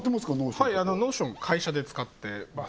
はいノーション会社で使ってます